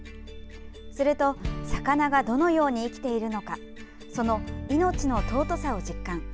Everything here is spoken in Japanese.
すると魚がどのように生きているのかその命の尊さを実感。